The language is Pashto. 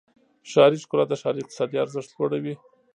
ښاري ښکلا د ښار اقتصادي ارزښت لوړوي.